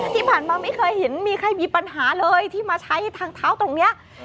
ที่ผ่านมาไม่เคยเห็นมีใครมีปัญหาเลยที่มาใช้ทางเท้าตรงนี้